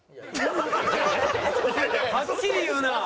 はっきり言うなあ。